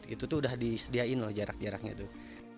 itu tuh udah disediain loh jarak jaraknya tuh